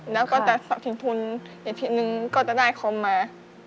แล้วก็จะสอบถึงทุนอีกทีนึงก็จะได้คอมมา